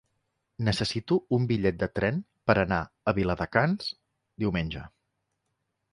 Necessito un bitllet de tren per anar a Viladecans diumenge.